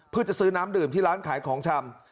เพื่อจะซื้อน้ำดื่มที่ร้านขายของชำ